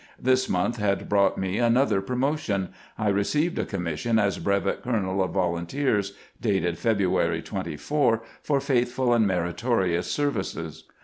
This month had brought me another promotion. I received a commission as brevet colonel of volunteers, dated February 24, for " faithful and meritorious services."